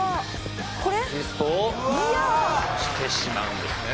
アシストをしてしまうんですね。